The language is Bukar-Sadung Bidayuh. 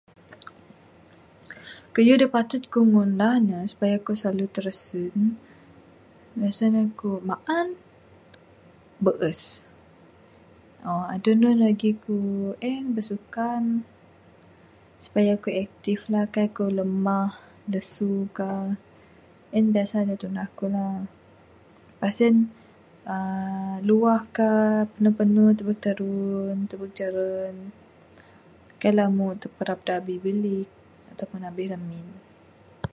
Kayuh da patut ku ngundah ne supaya ku slalu trasen meh sien aku maan, bees . uhh adeh anu ne lagi ku en bersukan, supaya aku active lah kaik ku lemah, lesu kah en biasa ne tunah ku la. Pas en, uhh luah kah panu panu tebek tarun, tebek jaran, kaik lah mu terperap da bih bilik ataupun abih ramin.